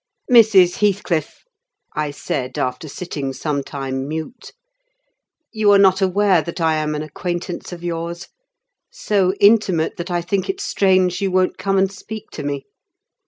"Mrs. Heathcliff," I said, after sitting some time mute, "you are not aware that I am an acquaintance of yours? so intimate that I think it strange you won't come and speak to me.